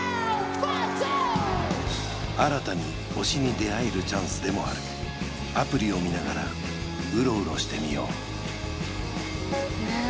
ワンツー新たに推しに出会えるチャンスでもあるアプリを見ながらうろうろしてみようねえ